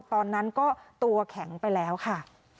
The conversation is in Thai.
ตอนนั้นก็ตัวแข็งไปแล้วค่ะ